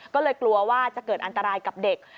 ก็เลยกลัวว่าจะเกิดอันตรายกับเด็ก